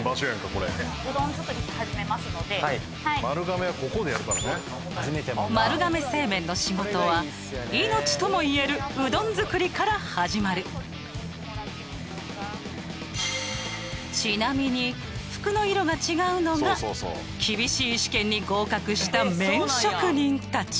これ丸亀はここでやるからね丸亀製麺の仕事は命ともいえるうどん作りから始まるちなみに服の色が違うのが厳しい試験に合格した麺職人たち